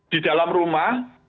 di dalam rumah